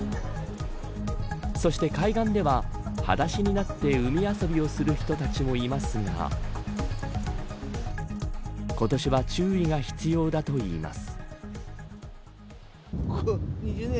そして海岸でははだしになって海遊びをする人たちもいますが今年は注意が必要だといいます。